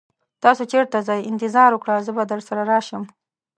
تاسو چیرته ځئ؟ انتظار وکړه، زه به درسره راشم.